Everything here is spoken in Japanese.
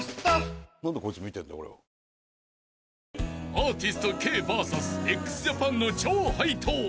［アーティストＫＶＳＸＪＡＰＡＮの超ハイトーン］